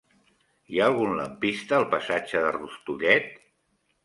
Hi ha algun lampista al passatge de Rustullet?